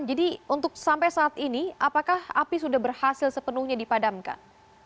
jadi untuk sampai saat ini apakah api sudah berhasil sepenuhnya dipadamkan